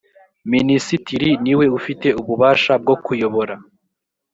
minisitiri ni we ufite ububasha bwo kuyobora.